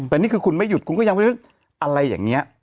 แต่นี่คือคุณไม่หยุดคุณก็ยังไม่รู้อะไรอย่างนี้